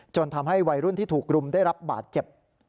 ทำให้วัยรุ่นที่ถูกรุมได้รับบาดเจ็บ